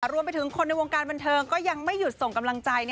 รวมไปถึงคนในวงการบันเทิงก็ยังไม่หยุดส่งกำลังใจ